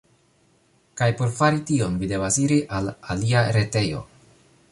Kaj por fari tion, vi devas iri al alia retejo.